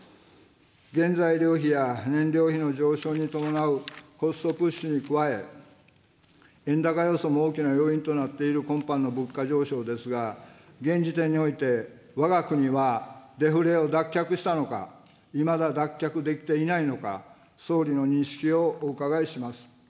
原材料費や燃料費の上昇に伴うコストプッシュに加え、円高要素も大きな要因となっている今般の物価上昇ですが、現時点において、わが国はデフレを脱却したのか、いまだ脱却できていないのか、総理の認識をお伺いします。